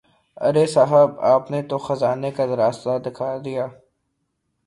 ارے صاحب آپ نے تو خزانے کا راستہ دکھا دیا۔